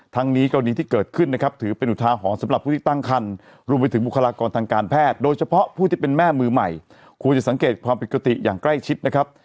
ทั้งนี้กรณีที่เกิดขึ้นนะครับถือเป็นอุทาหรณ์สำหรับผู้ที่ตั้งคันรวมไปถึงบุคลากรทางการแพทย์โดยเฉพาะผู้ที่เป็นแม่มือใหม่ควรจะสังเกตความผิดปกติอย่างใกล้ชิดนะครับ